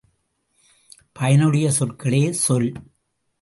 பயனுடைய சொற்களே சொல்.